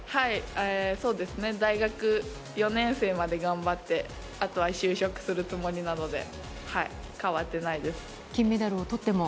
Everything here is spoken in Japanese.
大学４年生まで頑張ってあとは就職するつもりなので変わってないです。